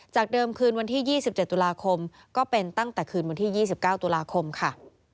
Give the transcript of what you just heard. เดิมคืนวันที่๒๗ตุลาคมก็เป็นตั้งแต่คืนวันที่๒๙ตุลาคมค่ะ